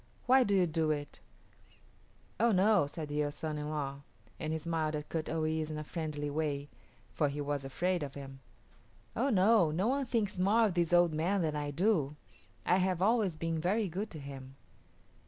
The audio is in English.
Why do you do it?" "Oh no," said the son in law, and he smiled at Kut o yis´ in a friendly way, for he was afraid of him. "Oh no; no one thinks more of this old man than I do. I have always been very good to him."